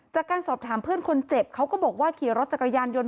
จากการสอบถามเพื่อนคนเจ็บเขาก็บอกว่าขี่รถจักรยานยนต